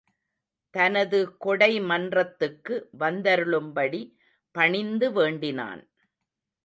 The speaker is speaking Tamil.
தனது கொடைமன்றத்துக்கு வந்தருளும் படி பணிந்து வேண்டினான்.